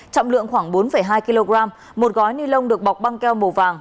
trọng lượng khoảng bốn hai kg một gói ni lông được bọc băng keo màu vàng